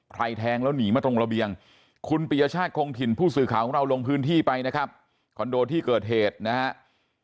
แทงแล้วหนีมาตรงระเบียงคุณปียชาติคงถิ่นผู้สื่อข่าวของเราลงพื้นที่ไปนะครับคอนโดที่เกิดเหตุนะครับ